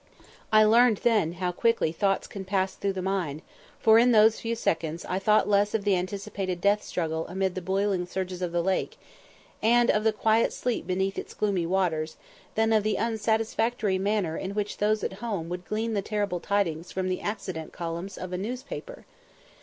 I learned then how quickly thoughts can pass through the mind, for in those few seconds I thought less of the anticipated death struggle amid the boiling surges of the lake, and of the quiet sleep beneath its gloomy waters, than of the unsatisfactory manner in which those at home would glean the terrible tidings from the accident columns of a newspaper.